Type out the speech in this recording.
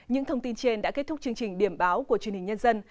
những thông tin trên đã kết thúc chương trình điểm báo của truyền hình nhân dân